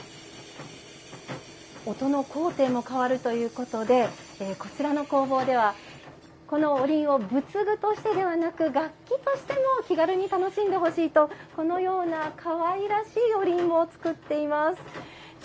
音の高低も変わるということでこちらの工房ではこのおりんを仏具としてではなく楽器としても気軽に楽しんでほしいとこのようなかわいらしいおりんを作っています。